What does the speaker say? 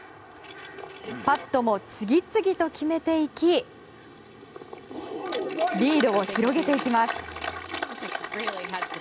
パットも次々と決めていきリードを広げていきます。